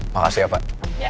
makasih ya pak